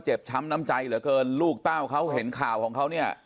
ช้ำน้ำใจเหลือเกินลูกเต้าเขาเห็นข่าวของเขาเนี่ย